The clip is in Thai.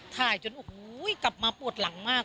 ถ่ายจนโอ้โหกลับมาปวดหลังมาก